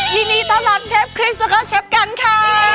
ยินดีต้อนรับเชฟคริสแล้วก็เชฟกันค่ะ